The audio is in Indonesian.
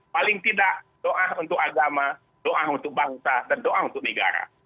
paling tidak doa untuk agama doa untuk bangsa dan doa untuk negara